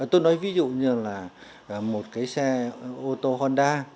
tôi nói ví dụ như là một cái xe ô tô honda